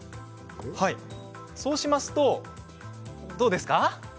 そうしますと、どうですか？